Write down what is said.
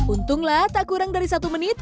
untunglah tak kurang dari satu menit